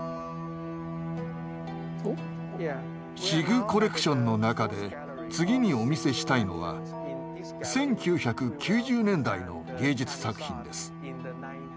シグコレクションの中で次にお見せしたいのは１９９０年代の芸術作品です。